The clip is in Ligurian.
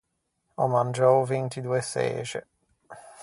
Ò mangiou vinti doe çexe.